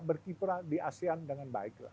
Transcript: berkiprah di asean dengan baik